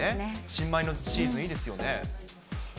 新米のシーズン、いいですよね。